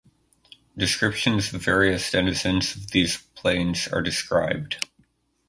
Descriptions of various denizens of these planes are described.